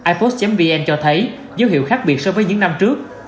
ipos vn cho thấy dấu hiệu khác biệt so với những năm trước